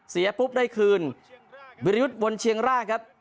เสียปุ๊บได้คืนวิรยุทธ์วนเชียงรากครับ